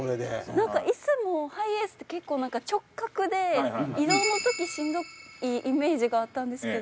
なんか椅子もハイエースって結構なんか直角で移動の時しんどいイメージがあったんですけど。